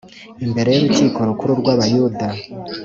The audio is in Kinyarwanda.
imbere y’Urukiko Rukuru rw’Abayuda